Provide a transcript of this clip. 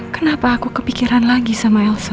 kenapa aku kepikiran lagi sama elsa